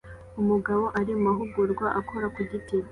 Umugabo ari mumahugurwa akora ku giti